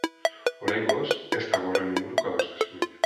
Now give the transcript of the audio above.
Oraingoz, ez dago horren inguruko adostasunik.